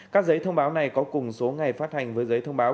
các giấy thông báo này có cùng số ngày phát hành với giấy thông báo